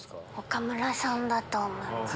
岡村さんだと思います。